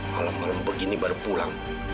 malam malam begini baru pulang